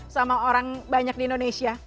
sama orang banyak di indonesia